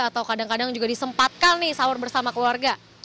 atau kadang kadang juga disempatkan nih sahur bersama keluarga